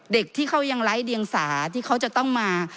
เด็กที่เขายังไร้เดียงสาที่เขาจะต้องมา